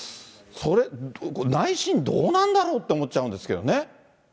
それ、内心どうなんだろうって思っちゃうんですけどね。